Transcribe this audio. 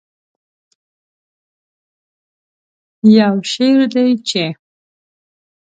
یو شعر دی چې